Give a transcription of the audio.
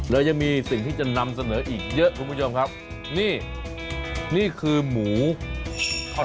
แล้วยังมีสิ่งที่จะนำเสนออีกเยอะคุณผู้ชมครับนี่นี่คือหมูทอด